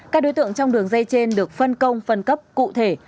các đối tượng trong đường dây trên được phân công phân cấp cụ thể